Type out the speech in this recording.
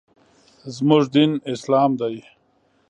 موږ دین اسلام دی .